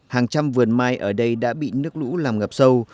hàng trăm vườn mai ở đây đã bị nước lũ làm ngập sâu